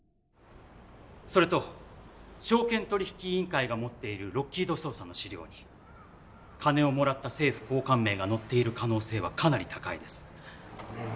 それと証券取引委員会が持っているロッキード捜査の資料に金をもらった政府高官名が載っている可能性はかなり高いです。